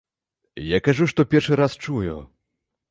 Я кажу, што першы раз чую.